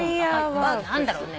何だろうね。